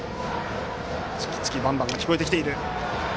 「チキチキバンバン」が聞こえてきている。